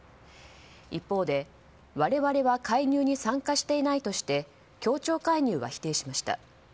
一方で、我々は介入に参加していないとして協調介入は否定しました。